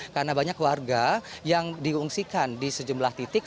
karena banyak warga yang diungsikan di sejumlah titik